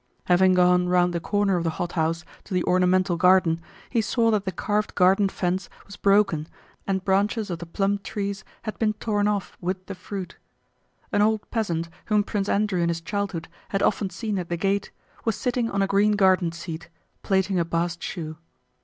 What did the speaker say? Having gone round the corner of the hothouse to the ornamental garden, he saw that the carved garden fence was broken and branches of the plum trees had been torn off with the fruit. An old peasant whom Prince Andrew in his childhood had often seen at the gate was sitting on a green garden seat, plaiting a bast shoe.